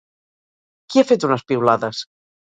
Qui ha fet unes piulades?